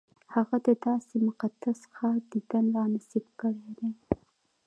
هغه د داسې مقدس ښار دیدن را نصیب کړی دی.